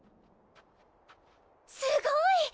すごいっ！